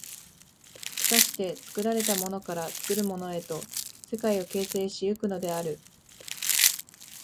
しかして作られたものから作るものへと世界を形成し行くのである。